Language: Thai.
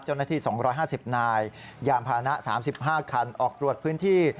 เจ้าหน้าที่๒๕๐นายยามพานะ๓๕คันออกตรวจพื้นที่